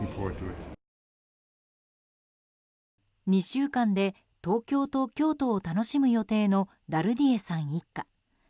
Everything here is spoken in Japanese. ２週間で東京と京都を楽しむ予定のダルディエさん一家。